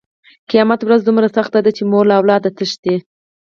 قیامت ورځ دومره سخته ده چې مور له اولاده تښتي.